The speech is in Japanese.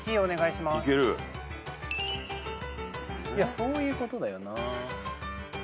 そういうことだよな。